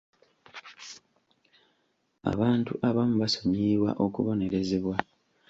Abantu abamu basonyiyibwa okubonerezebwa.